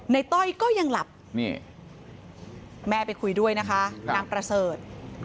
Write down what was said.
ต้อยก็ยังหลับนี่แม่ไปคุยด้วยนะคะนางประเสริฐ